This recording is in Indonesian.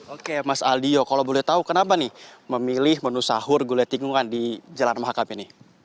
oke mas aldio kalau boleh tahu kenapa nih memilih menu sahur gulai tikungan di jalan mahakam ini